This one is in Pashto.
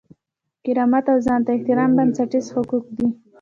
کرامت او ځان ته احترام بنسټیز حقوق دي.